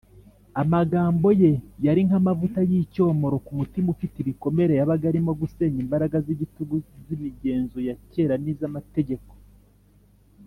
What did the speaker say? . Amagambo Ye yari nk’amavuta y’icyomoro ku mutima ufite ibikomere. Yabaga arimo gusenya imbaraga z’igitugu z’imigenzo ya kera n’iz’amategeko